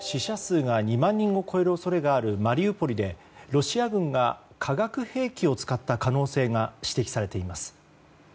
死者数が２万人を超える恐れがあるマリウポリでロシア軍が化学兵器を使った恐れがあります。